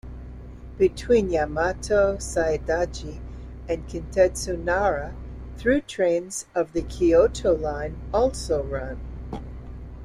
Between Yamato-Saidaiji and Kintetsu Nara, through trains of the Kyoto Line also run.